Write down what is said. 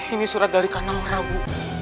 ini surat dari kak naura bu